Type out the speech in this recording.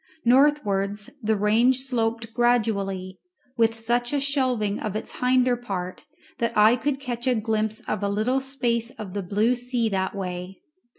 Northwards the range sloped gradually, with such a shelving of its hinder part that I could catch a glimpse of a little space of the blue sea that way.